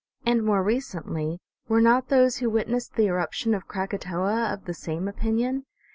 And more recently, were not those who witnessed the eruption of Krakatoa of the same opinion?